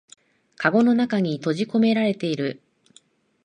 かごの中に閉じこめられてる